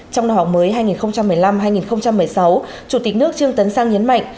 trong năm học mới hai nghìn một mươi năm hai nghìn một mươi sáu chủ tịch nước trương tấn sang nhấn mạnh